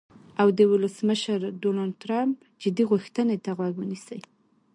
او د ولسمشر ډونالډ ټرمپ "جدي غوښتنې" ته غوږ ونیسي.